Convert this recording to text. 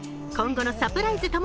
今後のサプライズ